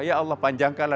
ya allah panjangkala